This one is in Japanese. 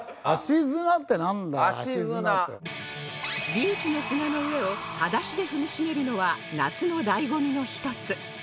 ビーチの砂の上を裸足で踏みしめるのは夏の醍醐味の一つ